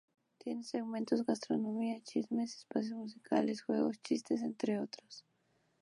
Tiene segmentos de gastronomía, chismes, espacios musicales, juegos, chistes, entre otros.